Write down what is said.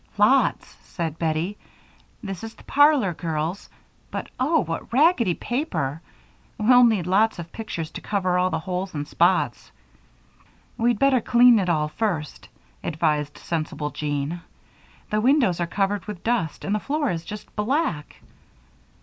"Lots," said Bettie. "This is the parlor, girls but, oh, what raggedy paper. We'll need lots of pictures to cover all the holes and spots." "We'd better clean it all first," advised sensible Jean. "The windows are covered with dust and the floor is just black."